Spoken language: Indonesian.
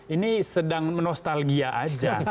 ini sedang menostalgia saja